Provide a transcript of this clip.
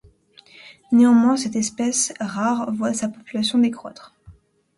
Néanmoins, cette espèce, rare, voit sa population décroître.